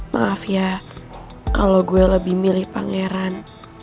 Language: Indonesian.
maaf ya kalau gue lebih milih pangeran